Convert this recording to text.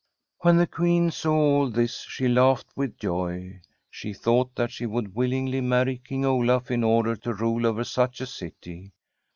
When the Queen saw all this she laughed with [i6o] SIGRID STORRADE joy. She thought that she would willingly marry King Olaf in order to rule over such a city.